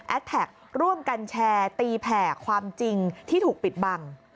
แท็กร่วมกันแชร์ตีแผ่ความจริงที่ถูกปิดบัง